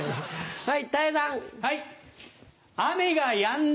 はい。